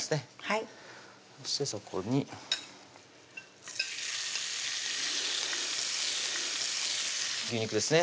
そしてそこに牛肉ですね